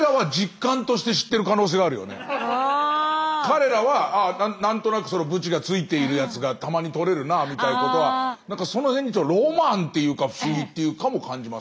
彼らは何となくブチがついているやつがたまにとれるなみたいなことはなんかその辺にロマンっていうか不思議っていうかも感じますね。